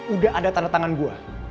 udah ada tanda tangan gue